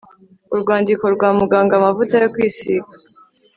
urwandiko rwa muganga amavuta yo kwisiga